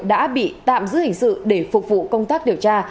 đã bị tạm giữ hình sự để phục vụ công tác điều tra